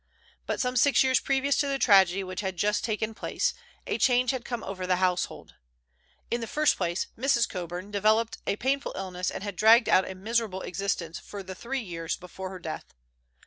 But some six years previous to the tragedy which had just taken place a change had come over the household. In the first place, Mrs. Coburn had developed a painful illness and had dragged out a miserable existence for the three years before her death.